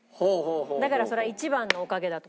だからそれは１番のおかげだと。